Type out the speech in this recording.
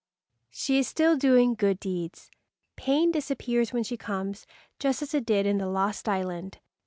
She is still doing good deeds. Pain disappears when she comes, just as it did in the lost island.